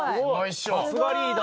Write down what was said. さすがリーダー！